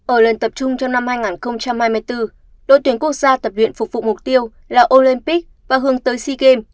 ở lần tập trung trong năm hai nghìn hai mươi bốn đội tuyển quốc gia tập luyện phục vụ mục tiêu là olympic và hướng tới sea games